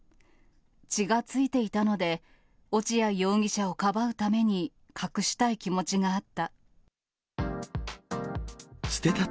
血がついていたので、落合容疑者をかばうために隠したい気持ちがあった。